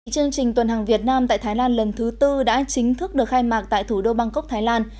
chương trình tuần hàng việt nam tại thái lan lần thứ tư đã chính thức được khai mạc tại thủ đô bangkok thái lan